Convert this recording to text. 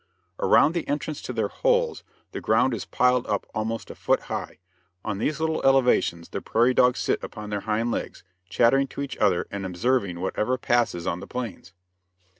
Around the entrance to their holes the ground is piled up almost a foot high; on these little elevations the prairie dogs sit upon their hind legs, chattering to each other and observing whatever passes on the plains.